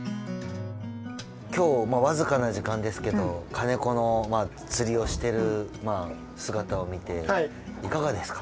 今日僅かな時間ですけど金子の釣りをしてる姿を見ていかがですか？